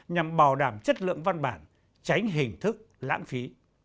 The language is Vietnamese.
nhằm bảo đảm chất lượng văn bản tránh hình thức lãng phí